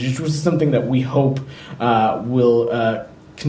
ini adalah hal yang kita harapkan